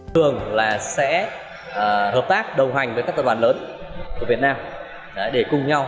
tp hcm sẽ hợp tác đầu hành với các tập đoàn lớn của việt nam để cùng nhau